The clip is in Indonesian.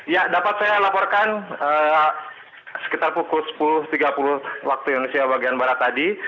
ya dapat saya laporkan sekitar pukul sepuluh tiga puluh waktu indonesia bagian barat tadi